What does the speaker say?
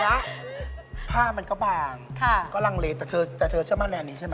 อันนี้ผ้ามันก็บางลังเลแต่เธอเชื่อว่านแหล่งอันนี้ใช่ไหม